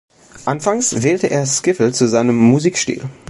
Anfangs wählte er Skiffle zu seinem Musikstil.